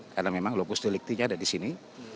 karena memang lokus deliktinya ada di sini